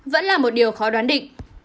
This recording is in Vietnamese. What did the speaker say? vẫn là một điều khó đoán định